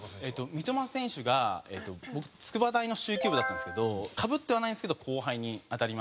三笘選手が僕筑波大の蹴球部だったんですけどかぶってはないんですけど後輩に当たりまして。